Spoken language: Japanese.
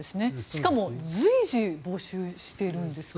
しかも随時募集しているんですね。